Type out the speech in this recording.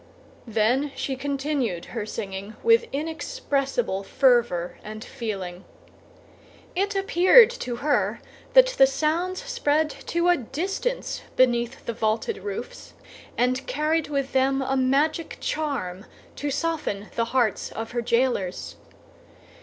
Then she continued her singing with inexpressible fervor and feeling. It appeared to her that the sounds spread to a distance beneath the vaulted roofs, and carried with them a magic charm to soften the hearts of her jailers.